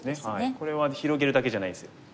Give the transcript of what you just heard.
これは広げるだけじゃないですよ。